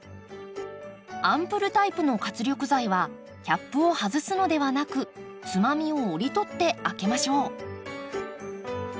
アンプルタイプの活力剤はキャップを外すのではなくつまみを折り取って開けましょう。